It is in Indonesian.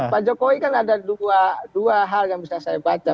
pak jokowi kan ada dua hal yang bisa saya baca